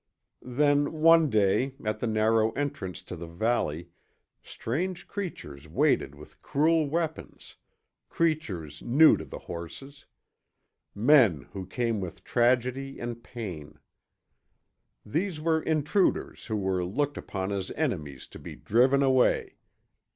Then, one day, at the narrow entrance to the valley, strange creatures waited with cruel weapons; creatures new to the horses. Men who came with tragedy and pain. These were intruders who were looked upon as enemies to be driven away.